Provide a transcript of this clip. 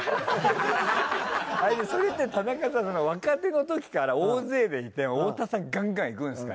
それって田中さん若手のときから大勢でいて太田さんガンガンいくんですか？